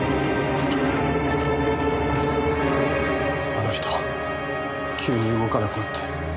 あの人急に動かなくなって。